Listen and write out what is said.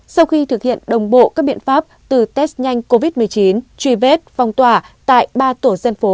sau khi thực hiện đồng bộ các biện pháp từ test nhanh covid một mươi chín truy vết phong tỏa tại ba tổ dân phố